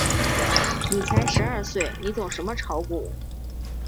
你才十二岁，你懂什么炒股？